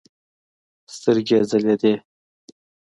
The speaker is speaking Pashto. سترګې يې ځلېدې.